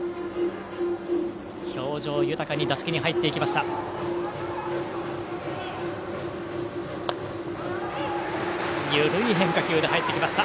表情豊かに打席に入っていきました。